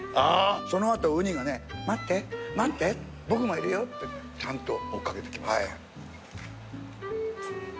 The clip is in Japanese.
そのあとウニがね待って待って僕もいるよってちゃんと追っかけてきますから。